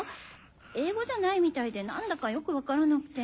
英語じゃないみたいで何だかよく分からなくて。